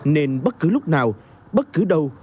nên bất cứ lúc nào bất cứ đâu